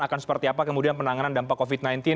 akan seperti apa kemudian penanganan dampak covid sembilan belas